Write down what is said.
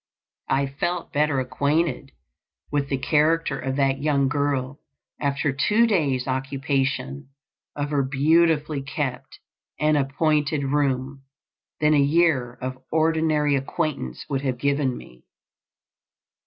I felt better acquainted with the character of that young girl after two days occupation of her beautifully kept and appointed room than a year of ordinary acquaintance would have given me.